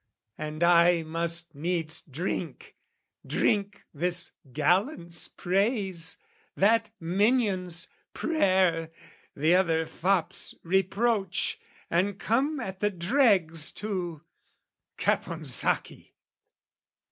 And I must needs drink, drink this gallant's praise, That minion's prayer, the other fop's reproach, And come at the dregs to Caponsacchi!